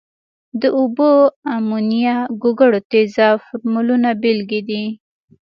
د اوبو، امونیا، ګوګړو تیزاب فورمولونه بیلګې دي.